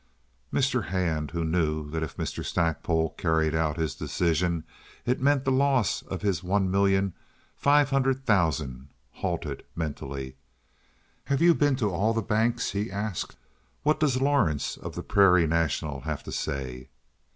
Mr. Hand, who knew that if Mr. Stackpole carried out this decision it meant the loss of his one million five hundred thousand, halted mentally. "Have you been to all the banks?" he asked. "What does Lawrence, of the Prairie National, have to say?"